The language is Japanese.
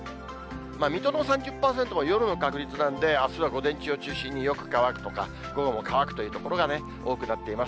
水戸の３０％も夜の確率なんで、あすは午前中を中心によく乾くとか、午後も乾くという所がね、多くなっています。